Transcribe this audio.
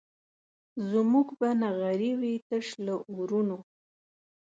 زموږ به نغري وي تش له اورونو